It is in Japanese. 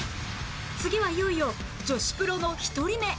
次はいよいよ女子プロの１人目